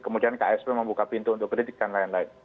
kemudian ksp membuka pintu untuk kritik dan lain lain